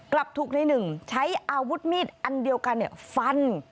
กลับถูกในหนึ่งใช้อาวุธมีดอันเดียวกันฟัน